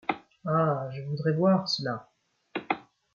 Ah ! je voudrais voir cela !...